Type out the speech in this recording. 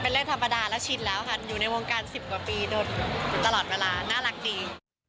เรื่องธรรมดาแล้วชินแล้วค่ะอยู่ในวงการ๑๐กว่าปีตลอดเวลาน่ารักดี